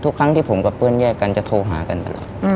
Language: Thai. ทุกครั้งที่ผมกับเพื่อนแยกกันจะโทรหากันตลอด